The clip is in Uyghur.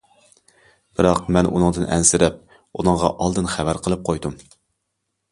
بىراق، مەن ئۇنىڭدىن ئەنسىرەپ، ئۇنىڭغا ئالدىن خەۋەر قىلىپ قويدۇم.